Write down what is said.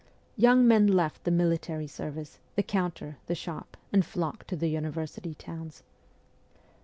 Young men left the military service, the counter, the shop, and flocked to the university tqwns.